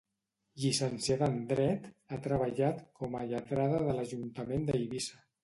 Llicenciada en dret, ha treballat com a lletrada de l'Ajuntament d'Eivissa.